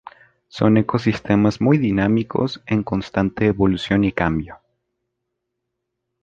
Son ecosistemas muy dinámicos, en constante evolución y cambio.